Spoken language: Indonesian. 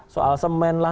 soal semen lah